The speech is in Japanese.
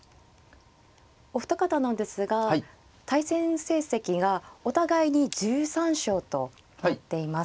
お二方なんですが対戦成績がお互いに１３勝となっています。